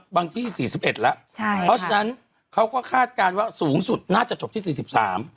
ที่สี่สิบเอ็ดแล้วใช่เพราะฉะนั้นเขาก็คาดการณ์ว่าสูงสุดน่าจะจบที่สี่สิบสาม